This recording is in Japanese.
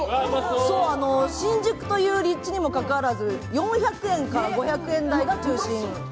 新宿という立地にもかかわらず４００円から５００円台が中心。